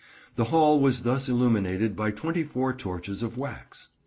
The Hall was thus illuminated by twenty four torches of wax.